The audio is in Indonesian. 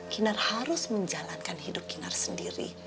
kinar harus menjalankan hidup kinar sendiri